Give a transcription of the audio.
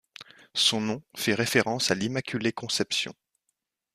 Son nom fait référence à l'immaculée conception.